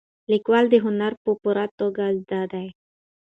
لیکوال دا هنر په پوره توګه زده دی.